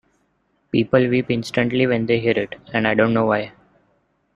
People weep instantly when they hear it, and I don't know why.